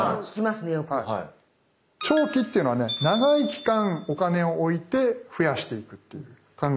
長期っていうのがね長い期間お金を置いて増やしていくっていう考え方で。